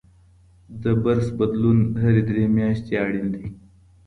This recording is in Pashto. د برس بدلون هر درې میاشتې اړین دی.